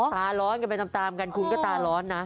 ตาร้อนกันไปตามกันคุณก็ตาร้อนนะ